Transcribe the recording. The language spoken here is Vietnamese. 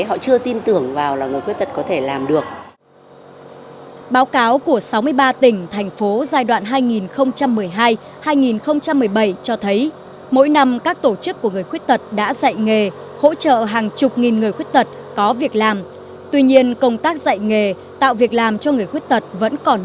họ chưa tin tưởng vào là người khuất tật có thể làm được